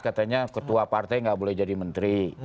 katanya ketua partai nggak boleh jadi menteri